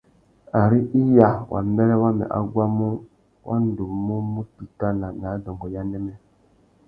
Ari iya wa mbêrê wamê a guamú, wa ndú mú mù titana nà adôngô ya anêmê.